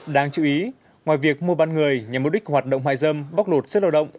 đáng chú ý ngoài việc mua bán người nhằm mục đích hoạt động mại dâm bóc lột sức lao động